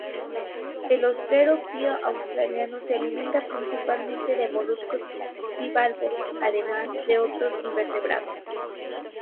El ostrero pío australiano se alimenta principalmente de moluscos bivalvos, además de otros invertebrados.